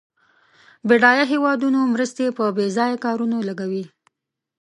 بډایه هېوادونه مرستې په بیځایه کارونو لګوي.